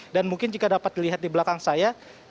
dan mungkin jika dapat dilihat di belakang saya